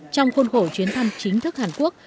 trong khuôn khổ chuyến thăm chính thức hàn quốc